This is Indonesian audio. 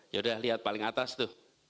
yaudah lihat paling atas tuh